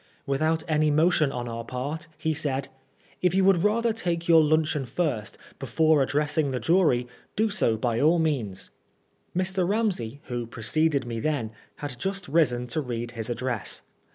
With out any motion on our part, he said :" If you would rather take your luncheon first, before addressing the jury, do so by all means." Mr. Ramsey, who preceded me then, had just risen to read his address.